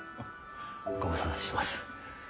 ご無沙汰してます。